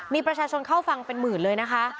มีประชาชนเข้าฟังเป็นหมื่นเลยนะคะ